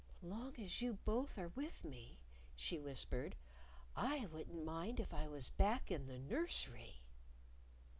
"Long as you both are with me," she whispered, "I wouldn't mind if I was back in the nursery."